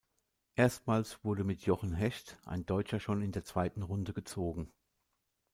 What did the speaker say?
Erstmals wurde mit Jochen Hecht ein Deutscher schon in der zweiten Runde gezogen.